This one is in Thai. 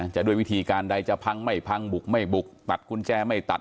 จะด้วยวิธีการใดจะพังไม่พังบุกไม่บุกตัดกุญแจไม่ตัด